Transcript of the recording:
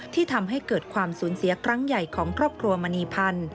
ที่ทำให้เกิดความสูญเสียครั้งใหญ่ของครอบครัวมณีพันธ์